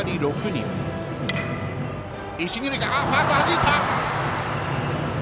ファーストはじいた。